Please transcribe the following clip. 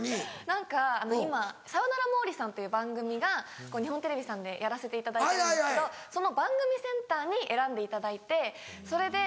何か今『サヨナラ毛利さん』という番組が日本テレビさんでやらせていただいてるんですけどその番組センターに選んでいただいてそれで。